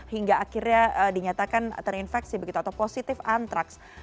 hingga akhirnya dinyatakan terinfeksi begitu atau positif antraks